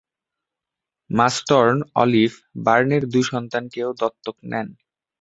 Marston olive বার্নের দুই সন্তানকেও দত্তক নেন।